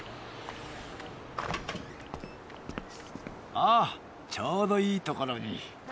あっちょうどいいところに。